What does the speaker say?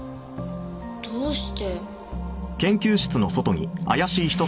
どうして。